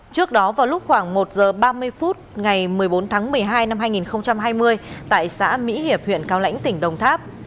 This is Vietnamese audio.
trước đó vào lúc khoảng một giờ ba mươi phút ngày một mươi bốn tháng một mươi hai năm hai nghìn hai mươi tại xã mỹ hiệp huyện cao lãnh tỉnh đồng tháp